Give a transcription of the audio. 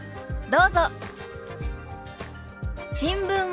どうぞ。